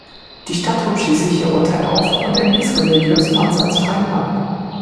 Die Stadt hob schließlich ihr Urteil auf und entließ Remigius Mans als freien Mann.